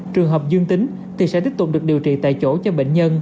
trường hợp dương tính thì sẽ tiếp tục được điều trị tại chỗ cho bệnh nhân